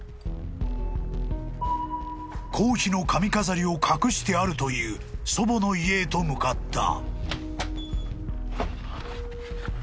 ［皇妃の髪飾りを隠してあるという祖母の家へと向かった］